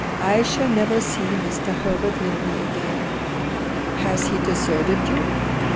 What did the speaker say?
"I shall never see Mr. Herbert Linley again." "Has he deserted you?"